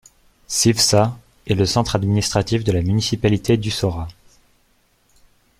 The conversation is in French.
Sivša est le centre administratif de la municipalité d'Usora.